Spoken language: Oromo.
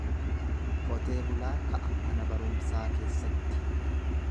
Qotee bulaa ka'a mana barumsaa keessatti.